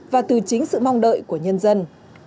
và từ chính sự mong đợi của nhân dân